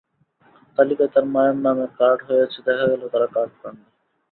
তালিকায় তাঁর মায়ের নামে কার্ড হয়েছে দেখা গেলেও তাঁরা কার্ড পাননি।